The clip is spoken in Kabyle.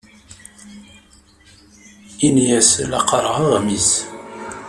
Ini-as la qqareɣ aɣmis.